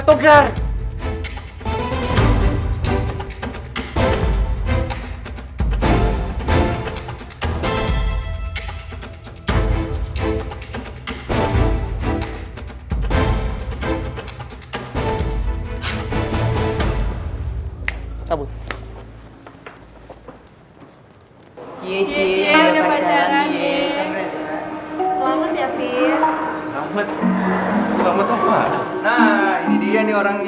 nah ini dia nih orangnya